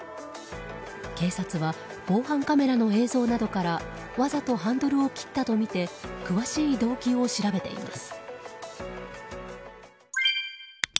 警察は防犯カメラの映像などからわざとハンドルを切ったとみて詳しい動機を調べています。